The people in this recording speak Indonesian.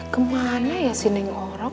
kemana ya si neng orok